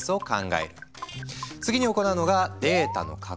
次に行うのがデータの加工。